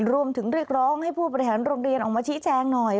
เรียกร้องให้ผู้บริหารโรงเรียนออกมาชี้แจงหน่อย